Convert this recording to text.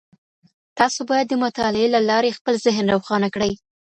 تاسو بايد د مطالعې له لاري خپل ذهن روښانه کړئ.